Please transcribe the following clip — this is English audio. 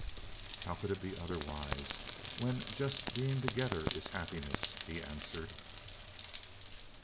"How could it be otherwise when just being together is happiness?" he answered.